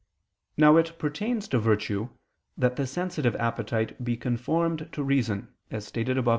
Now it pertains to virtue that the sensitive appetite be conformed to reason, as stated above (A.